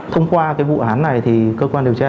thông qua cái vụ án này thì cơ quan điều tra